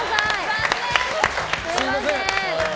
すみません。